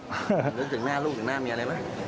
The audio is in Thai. หรือถึงหน้าลูกถึงหน้ามีอะไรบ้าง